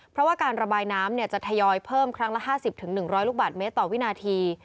เพราะว่าการระบายน้ำเนี้ยจะทยอยเพิ่มครั้งละห้าสิบถึงหนึ่งร้อยลูกบาทเมตรต่อวินาที